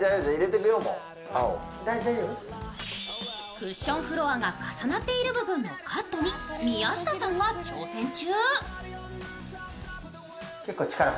クッションフロアが重なっている部分のカットに宮下さんが挑戦中。